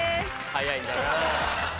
早いんだなぁ。